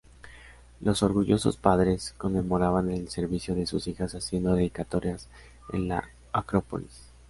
Los orgullosos padres conmemoraban el servicio de sus hijas haciendo dedicatorias en la Acrópolis.